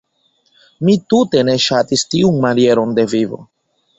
Mi tute ne ŝatis tiun manieron de vivo.